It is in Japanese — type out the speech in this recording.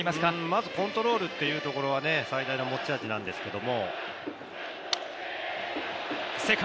まずコントロールというところは最大の持ち味なんですけど。